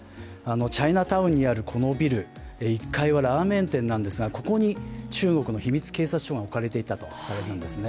チャイナタウンにあるこのビル、１階はラーメン店なんですがここに中国の秘密警察署が置かれていたとされているんですね。